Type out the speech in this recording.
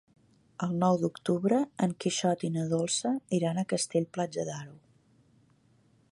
El nou d'octubre en Quixot i na Dolça iran a Castell-Platja d'Aro.